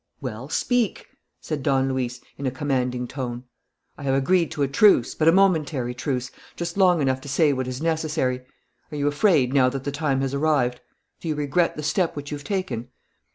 "Well? Speak!" said Don Luis, in a commanding tone. "I have agreed to a truce, but a momentary truce, just long enough to say what is necessary. Are you afraid now that the time has arrived? Do you regret the step which you have taken?"